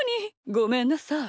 ごめんなさい。